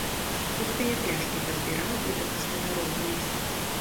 Пустыя пляшкі пазбіраў і да гаспадароў вынес.